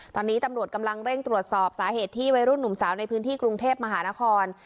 ตอนนี้ตำรวจกำลังเร่งตรวจสอบสาเหตุที่วัยรุ่นหนุ่มสาวในพื้นที่กรุงเทพมหานคร